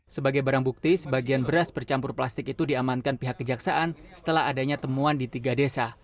sebagai barang bukti sebagian beras bercampur plastik itu diamankan pihak kejaksaan setelah adanya temuan di tiga desa